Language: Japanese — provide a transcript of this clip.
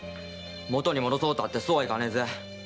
元に戻そうったってそうはいかねえぜ。